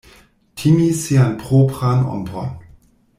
Timi sian propran ombron.